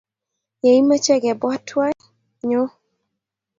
Ye imeche kebwaa tuwai, nyoo